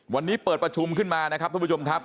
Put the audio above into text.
วันนี้เปิดประชุมขึ้นมานะครับทุกผู้ชมครับ